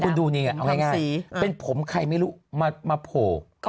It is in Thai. คุณดูนี่ไงเอาง่ายเป็นผมใครไม่รู้มาโผล่